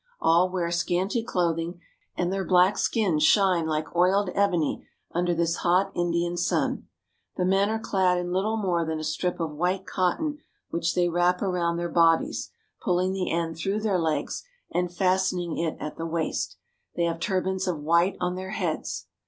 All wear scanty clothing, and their black skins shine like oiled ebony under this hot Indian sun. The men are clad in little more than a strip of white cotton which they wrap around their bodies, pulling the end Peasant Woman and Children. THE VILLAGES OF INDIA 257 through their legs and fastening it in at the waist. They have turbans of white on their heads.